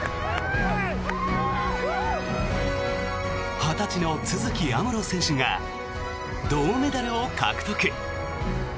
２０歳の都筑有夢路選手が銅メダルを獲得。